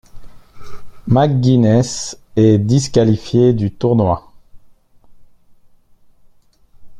McGuiness est disqualifié du tournoi.